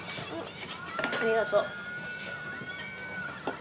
ありがとう。